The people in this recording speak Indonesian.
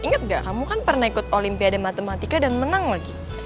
ingat gak kamu kan pernah ikut olimpiade matematika dan menang lagi